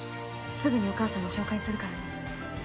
すぐにお母さんに紹介するからね！